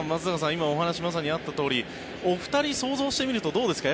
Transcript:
今、お話にまさにあったとおりお二人、想像してみるとどうですか？